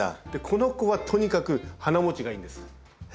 この子はとにかく花もちがいいんです。